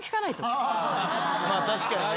まあ確かにね。